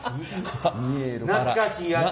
懐かしいやつ。